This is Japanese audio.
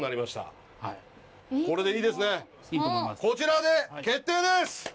こちらで決定です！